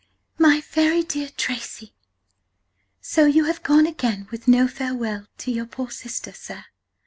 "My very dear Tracy, "So you have gone again with no Farewell to yr. poor Sister, sir!